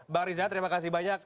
bang riza terima kasih banyak